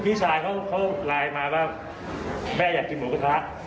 พี่ชายเขาไลน์มาว่าแม่อยากกินหมูกระทะ